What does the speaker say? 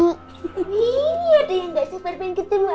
bukannya adi sering jahilin kamu ya